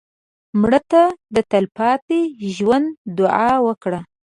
مړه ته د تلپاتې ژوند دعا وکړه